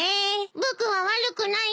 僕は悪くないです。